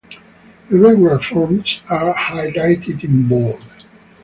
Irregular forms are highlighted in bold.